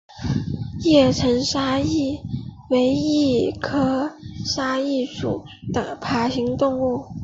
叶城沙蜥为鬣蜥科沙蜥属的爬行动物。